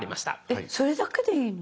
えっそれだけでいいの？